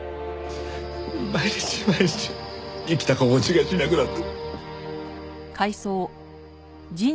毎日毎日生きた心地がしなくなって。